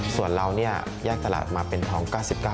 ส่วนเราแยกตลาดมาเป็นทอง๙๙